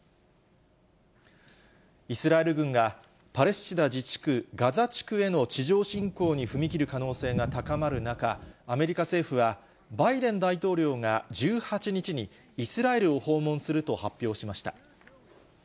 イスラエル軍が、パレスチナ自治区ガザ地区への地上侵攻に踏み切る可能性が高まる中、アメリカ政府は、バイデン大統領が１８日にイスラエルを訪問すると発表しました。